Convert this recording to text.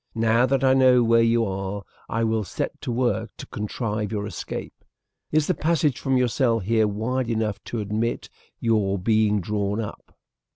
Now that I know where you are, I will set to work to contrive your escape. Is the passage from your cell here wide enough to admit your being drawn up?"